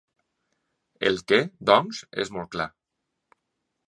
El què, doncs, és molt clar.